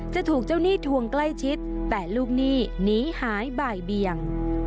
จะถูกเจ้าหนี้ทวงใกล้ชิดแต่ลูกหนี้หนีหายบ่ายเบียง